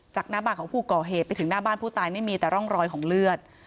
หน้าบ้านของผู้ก่อเหตุไปถึงหน้าบ้านผู้ตายไม่มีแต่ร่องรอยของเลือด